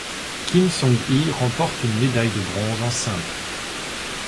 Kim Song-i remporte une médaille de bronze en simple.